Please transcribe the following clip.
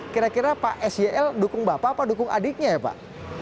kira kira pak syl dukung bapak apa dukung adiknya ya pak